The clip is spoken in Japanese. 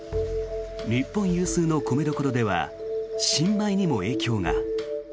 日本有数の米どころでは新米にも影響が。